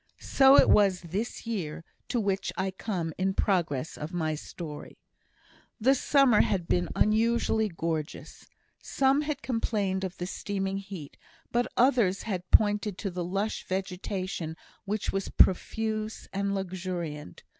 So it was this year to which I come in the progress of my story. The summer had been unusually gorgeous. Some had complained of the steaming heat, but others had pointed to the lush vegetation, which was profuse and luxuriant.